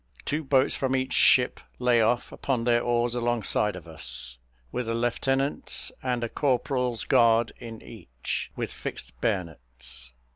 Two boats from each ship lay off upon their oars alongside of us, with a lieutenant's and a corporal's guard in each, with fixed bayonets.